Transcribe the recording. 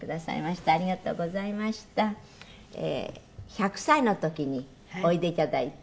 １００歳の時においでいただいて。